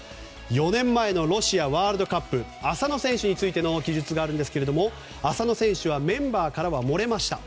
４年前のロシアワールドカップ浅野選手についての記述があるんですが浅野選手はメンバーからはもれました。